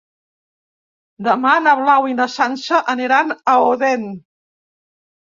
Demà na Blau i na Sança aniran a Odèn.